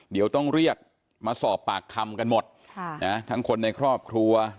เดี๋ยวต้องเรียกมาสอบปากคำกันหมดทั้งคนในครอบครัว